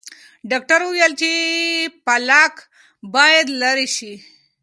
ډاکټر وویل چې پلاک باید لرې شي.